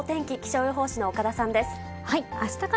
気象予報士の岡田さんです。